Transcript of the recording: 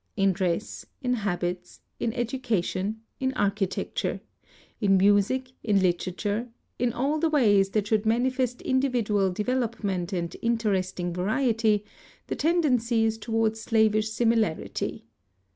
In dress, in habits, in education, in architecture, in music, in literature, in all the ways that should manifest individual development and interesting variety, the tendency is toward slavish simi larity.